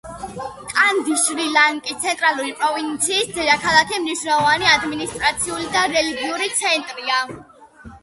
კანდი შრი-ლანკის ცენტრალური პროვინციის დედაქალაქი, მნიშვნელოვანი ადმინისტრაციული და რელიგიური ცენტრია.